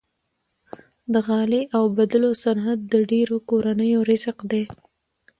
د غالۍ اوبدلو صنعت د ډیرو کورنیو رزق دی۔